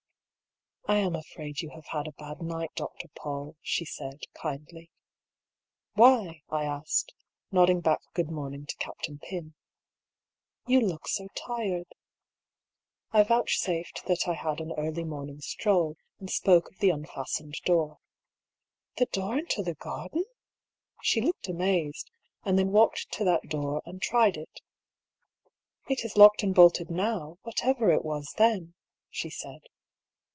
" I am afraid you have had a bad night, Dr. PauU," she said, kindly. "Why?" I asked, nodding back good morning to Captain Pym. " You look so tired.'* I vouchsafed that I had an early morning stroll, and spoke of the unfastened door. " The door into the garden ?" She looked amazed ; and then walked to that door and tried it. " It is locked and bolted now, whatever it was then," she said.